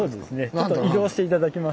ちょっと移動して頂きます。